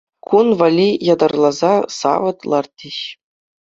Кун валли ятарласа савӑт лартӗҫ.